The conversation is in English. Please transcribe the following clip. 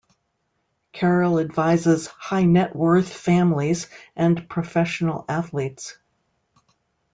Carroll advises high-net-worth families and professional athletes.